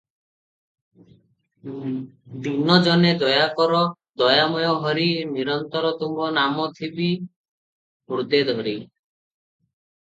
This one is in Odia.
ଦୀନ ଜନେ ଦୟା କର ଦୟାମୟ ହରି ନିରନ୍ତର ତୁମ୍ଭ ନାମ ଥିବି ହୃଦେ ଧରି ।"